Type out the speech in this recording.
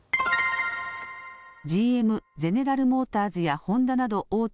ＧＭ・ゼネラル・モーターズやホンダなど大手